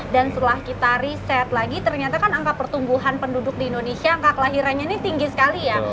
dan setelah kita riset lagi ternyata kan angka pertumbuhan penduduk di indonesia angka kelahirannya ini tinggi sekali ya